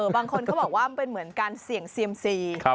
บางคนเขาบอกว่ามันเป็นเหมือนการเสี่ยงเซียมซี